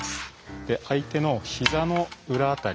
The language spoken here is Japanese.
相手の膝の裏辺り。